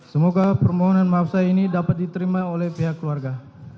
semoga permohonan maaf saya ini dapat diterima oleh pihak keluarga